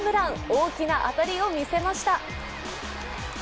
大きな当たりを見せました。